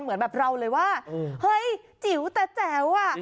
เหมือนแบบเราเลยว่าเฮ้ยจิ๋วแต่แจ๋วอ่ะ